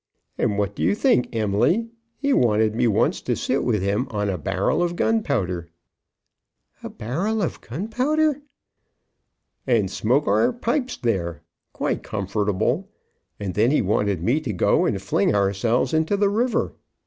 And what do you think, Em'ly? He wanted me once to sit with him on a barrel of gunpowder." "A barrel of gunpowder!" "And smoke our pipes there, quite comfortable. And then he wanted me to go and fling ourselves into the river.